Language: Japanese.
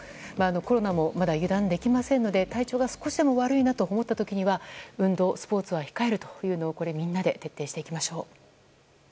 コロナもまだ油断できませんので体調が少しでも悪いと思ったら運動、スポーツを控えるというのをみんなで徹底しましょう。